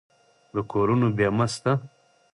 د کورونو بیمه شته؟